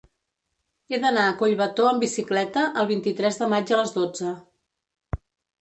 He d'anar a Collbató amb bicicleta el vint-i-tres de maig a les dotze.